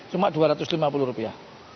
cuma dua ratus lima puluh rupiah